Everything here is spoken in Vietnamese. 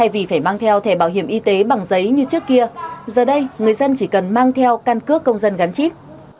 vì phải mang theo thẻ bảo hiểm y tế bằng giấy như trước kia giờ đây người dân chỉ cần mang theo căn cước công dân gắn chip